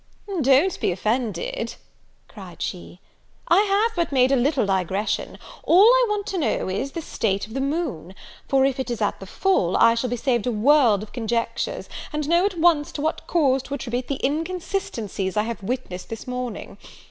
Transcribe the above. "Don't be offended," cried she, "I have but made a little digression. All I want to know is, the state of the moon; for if it is at the full, I shall be saved a world of conjectures, and know at once to what cause to attribute the inconsistencies I have witnessed this morning.